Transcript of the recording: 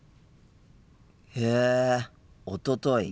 へえ「おととい」。